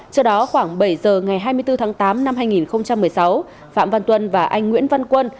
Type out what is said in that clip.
trước đó khoảng bảy giờ ngày hai mươi bốn tháng tám năm hai nghìn một mươi sáu phạm văn tuân và anh nguyễn văn quân